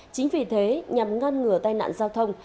chính vì thế nhằm ngăn ngừa tai nạn giao thông